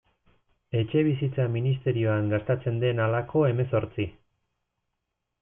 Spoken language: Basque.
Etxebizitza ministerioan gastatzen den halako hemezortzi.